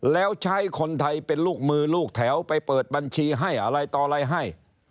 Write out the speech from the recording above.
แล้วใช้คนไทยเป็นลูกมือลูกแถวไปเปิดบัญชีให้อะไรต่ออะไรให้